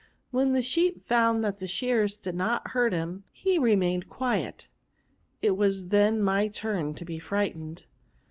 When the sheep found that the shears did not hurt him, he remained quiet; it was then my turn to be frightened.